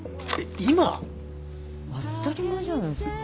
当ったり前じゃないですか。